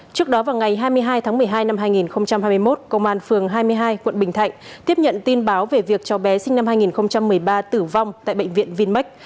trước đó vào ngày hai mươi hai tháng một mươi hai năm hai nghìn hai mươi một công an phường hai mươi hai quận bình thạnh tiếp nhận tin báo về việc cháu bé sinh năm hai nghìn một mươi ba tử vong tại bệnh viện vinmec